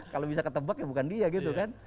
kalau bisa ketebak ya bukan dia gitu kan